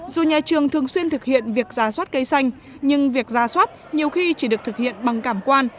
dù nhà trường thường xuyên thực hiện việc giả soát cây xanh nhưng việc ra soát nhiều khi chỉ được thực hiện bằng cảm quan